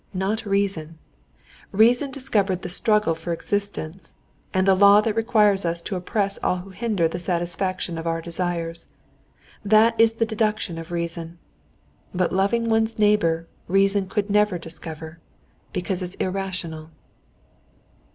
Not reason. Reason discovered the struggle for existence, and the law that requires us to oppress all who hinder the satisfaction of our desires. That is the deduction of reason. But loving one's neighbor reason could never discover, because it's irrational."